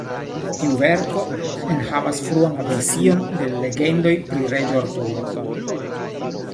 Tiu verko enhavas fruan version de la legendoj pri Reĝo Arturo.